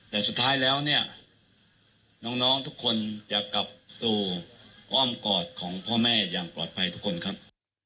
แต่สุดท้ายแล้วเนี่ยน้องทุกคนจะกลับสู่อ้อมกอดของพ่อแม่อย่างปลอดภัยทุกคนครับ